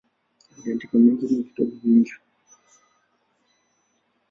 Aliandika mengi na vitabu vingi.